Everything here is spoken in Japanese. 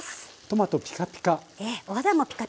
トマトピカピカ。